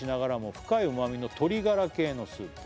「深い旨みの鶏ガラ系のスープ」